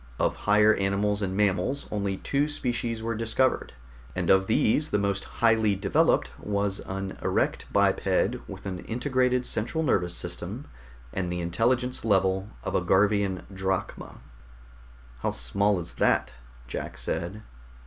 Of higher animals and mammals only two species were discovered, and of these the most highly developed was an erect biped with an integrated central nervous system and the intelligence level of a Garvian drachma." "How small is that?" Jack said.